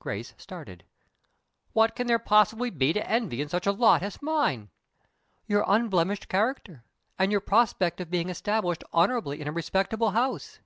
Grace started. "What can there possibly be to envy in such a lot as mine?" "Your unblemished character, and your prospect of being established honorably in a respectable house."